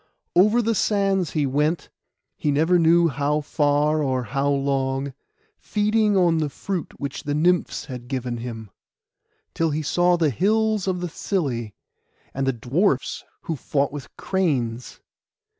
Over the sands he went,—he never knew how far or how long, feeding on the fruit which the Nymphs had given him, till he saw the hills of the Psylli, and the Dwarfs who fought with cranes.